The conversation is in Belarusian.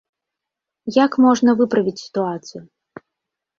Як можна выправіць сітуацыю?